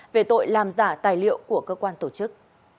về tội làm giả tài liệu của cơ quan tổ chức